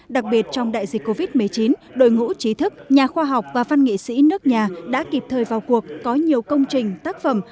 đặc biệt trong đại dịch covid một mươi chín đội ngũ trí thức nhà khoa học và văn nghệ sĩ nước nhà đã kịp thời vào cuộc có nhiều công trình tác phẩm